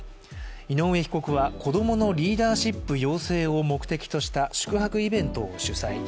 井上被告は子供のリーダーシップ養成を目的とした宿泊イベントを主催。